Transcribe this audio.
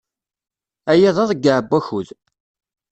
Aya d aḍeyyeɛ n wakud.